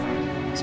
udah tunggu sini ya